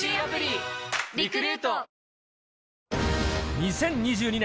２０２２年